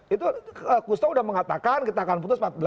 itu kusto sudah mengatakan kita akan putus empat belas